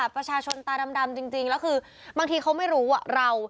ประชาชนตาดำจริงแล้วคือบางทีเขาไม่รู้ว่าเรา